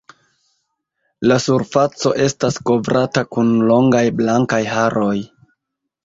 La surfaco estas kovrata kun longaj blankaj haroj.